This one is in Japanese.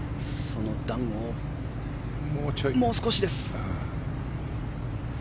その段をもう少しです。